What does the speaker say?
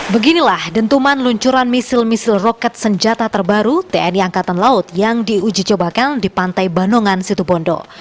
beginilah dentuman luncuran misil misil roket senjata terbaru tni angkatan laut yang diuji cobakan di pantai banongan situbondo